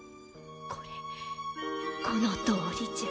これこのとおりじゃ。